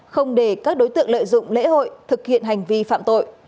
không để các đối tượng lợi dụng lễ hội thực hiện hành vi phạm tội